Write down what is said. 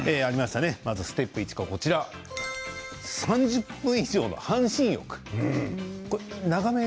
ステップ１３０分以上の半身浴。